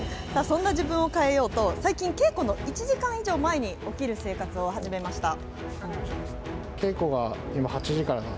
そんな自分を変えようと最近、稽古の１時間以上前に起きる生活を始めました。